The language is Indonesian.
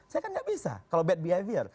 saya kan nggak bisa kalau bad behavior